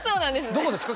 どこですか？